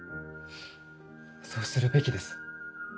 そうするべきです。